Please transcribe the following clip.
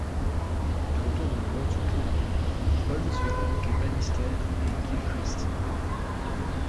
De retour dans le bureau de son client, Holmes fait convoquer Bannister et Gilchrist.